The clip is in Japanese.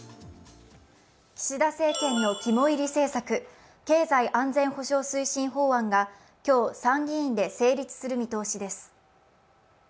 岸田政権の肝煎り策、経済安全保障推進法案が今日、参議院で成立する見通しです